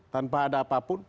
tanpa ada apapun